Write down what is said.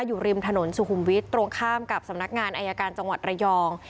อยู่ริมถนนสุขุมวิทย์ตรงข้ามกับสำนักงานอายการจังหวัดระยอง